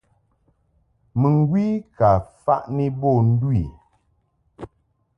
Mɨŋgwi ka faʼni bo ndu i.